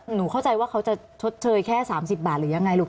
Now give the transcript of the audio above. หนูเข้าใจว่าเขาจะชดเชยแค่๓๐บาทหรือยังไงลูก